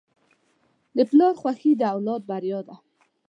د پلار خوښي د اولاد بریا ده.